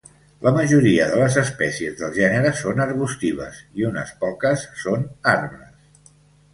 La majoria de les espècies del gènere són arbustives i unes poques són arbres.